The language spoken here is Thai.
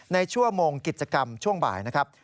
ชั่วโมงกิจกรรมช่วงบ่ายนะครับ